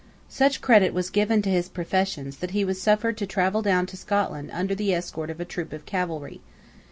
Such credit was given to his professions that he was suffered to travel down to Scotland under the escort of a troop of cavalry.